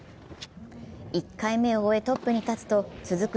１回目を終えトップに立つと続く